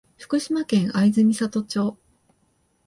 福島県会津美里町